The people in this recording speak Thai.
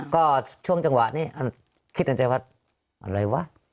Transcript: ก็ช่วงจังหวะนี้